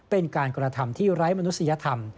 เป็นการกระทำที่ไร้มนุษยธรรม